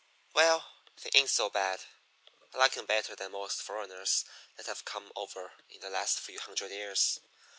"Well, they ain't so bad. I like 'em better than most foreigners that have come over in the last few hundred years.